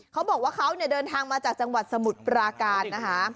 เขาบอกว่าเขาเดินทางมาจากจังหวัดสมุทรปราการนะคะ